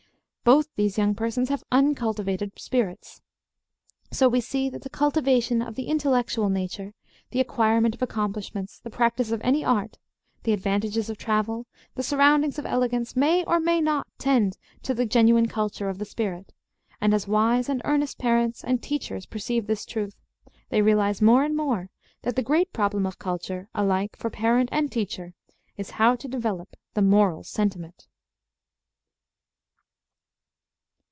Both these young persons have uncultivated spirits. So we see that the cultivation of the intellectual nature, the acquirement of accomplishments, the practice of any art, the advantages of travel, the surroundings of elegance, may or may not tend to the genuine culture of the spirit; and as wise and earnest parents and teachers perceive this truth, they realize more and more that the great problem of culture, alike for parent and teacher, is how to develop the moral sentiment.